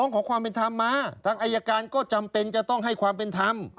ขอความเป็นธรรมมาทางอายการก็จำเป็นจะต้องให้ความเป็นธรรม